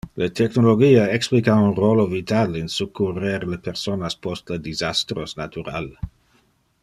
Le technologia explica un rolo vital in succurrer le personas post le disastros natural.